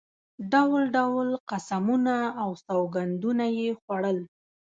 ډول ډول قسمونه او سوګندونه یې خوړل.